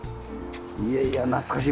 いやいや懐かしい。